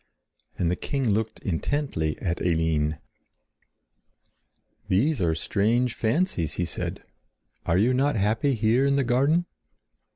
And the king looked intently at Eline. "These are strange fancies," he said. "Are you not happy here in the garden?"